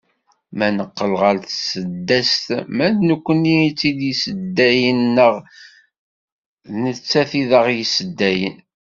Ma neqqel ɣer tseddast, ma d nekkni i d tt-yesseddayen neɣ d nettat i d aɣ-yesseddayen?